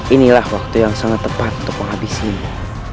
inilah waktu yang sangat tepat untuk menghabisinya